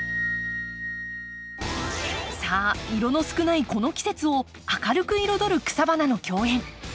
さあ色の少ないこの季節を明るく彩る草花の競演。